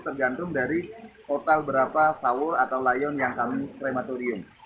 tergantung dari total berapa sawul atau layon yang kami krematorium